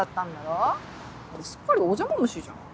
俺すっかりお邪魔虫じゃん。